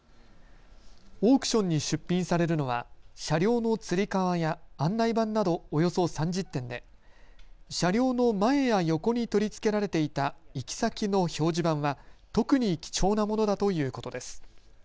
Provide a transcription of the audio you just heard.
オークションに出品されるのは車両のつり革や案内板などおよそ３０点で車両の前や横に取り付けられていた行き先の表示板は特に貴重なものだということです。